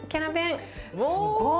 すごい。